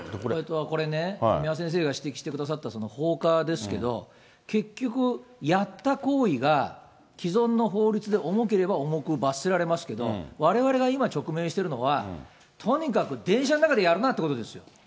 これね、三輪先生が指摘してくださった放火ですけど、結局、やった行為が既存の法律で重ければ重く罰せられますけど、われわれが今直面しているのは、とにかく電車の中でやるなっていうことですよ。